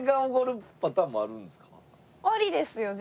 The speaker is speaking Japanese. ありですよ全然！